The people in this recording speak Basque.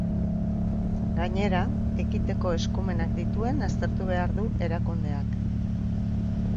Gainera, ekiteko eskumenak dituen aztertu behar du erakundeak.